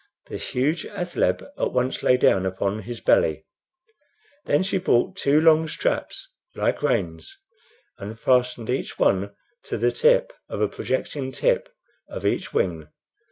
The huge athaleb at once lay down upon his belly. Then she brought two long straps like reins, and fastened each to the tip of a projecting tip of each wing.